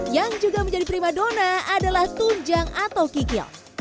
yang juga menjadi prima dona adalah tunjang atau kikil